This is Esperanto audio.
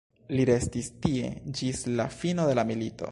Li restis tie ĝis la fino de la milito.